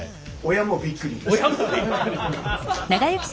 親もびっくり。